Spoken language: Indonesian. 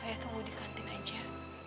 ayo tunggu di kantin aja